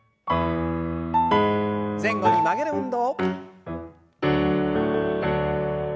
前後に曲げる運動。